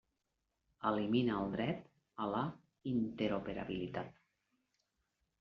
Elimina el dret a la interoperabilitat.